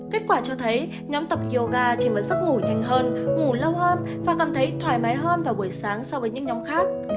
kết quả cho thấy nhóm tập yoga chỉ mới giấc ngủ nhanh hơn ngủ lâu hơn và cảm thấy thoải mái hơn vào buổi sáng so với những nhóm khác